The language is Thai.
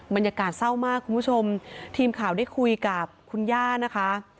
บรรยากาศเศร้ามากคุณผู้ชมทีมข่าวได้คุยกับคุณย่านะคะ